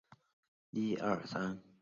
奇鳗为康吉鳗科奇鳗属的鱼类。